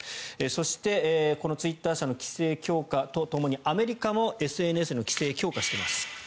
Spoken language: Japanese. そして、このツイッター社の規制強化とともにアメリカもＳＮＳの規制を強化しています。